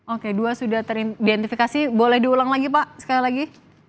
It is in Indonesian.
oke dua sudah teridentifikasi boleh diulang lagi pak sekali lagi